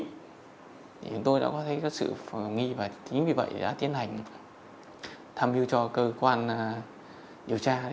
thì chúng tôi đã có thấy sự nghi và chính vì vậy đã tiến hành tham mưu cho cơ quan điều tra